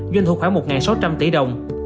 doanh thu khoảng một sáu trăm linh tỷ đồng